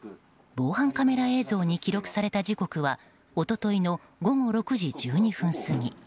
防犯カメラ映像に記録された時刻は一昨日の午後６時１２分過ぎ。